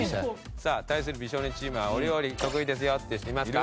さあ対する美少年チームはお料理得意ですよっていう人いますか？